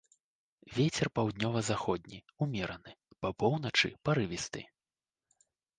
Вецер паўднёва-заходні ўмераны, па поўначы парывісты.